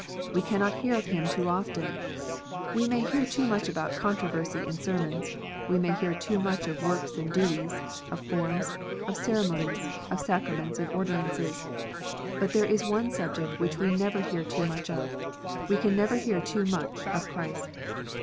We cannot hear of Him too often. We may hear too much about controversy in sermons, we may hear too much of works and duties, of forms, of ceremonies, of sacraments and ordinances, but there is "one subject which we never hear too much of : we can never hear too much of Christ.